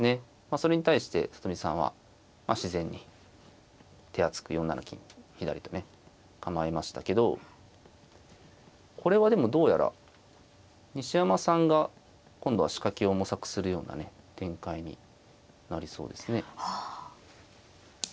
それに対して里見さんは自然に手厚く４七金左とね構えましたけどこれはでもどうやら西山さんが今度は仕掛けを模索するようなね展開になりそうですね。